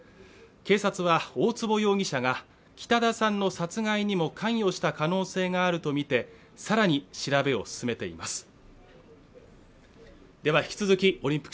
警察は大坪容疑者が北田さんの殺害にも関与した可能性があるとみてさらに調べを進めています。